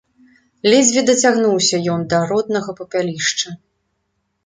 Ледзьве дацягнуўся ён да роднага папялішча.